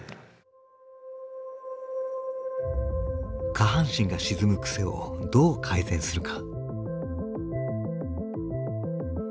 下半身が沈む癖をどう改善するか。